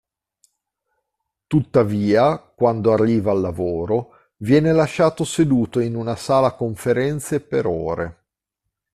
Tuttavia, quando arriva al lavoro, viene lasciato seduto in una sala conferenze per ore.